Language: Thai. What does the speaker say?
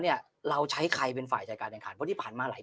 เนี่ยเราใช้ใครเป็นฝ่ายจัดการแข่งขันเพราะที่ผ่านมาหลาย